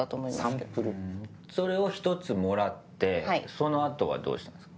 それを１つもらってその後はどうしたんですか？